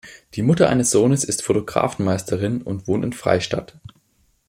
Die Mutter eines Sohnes ist Fotografen-Meisterin und wohnt in Freistadt.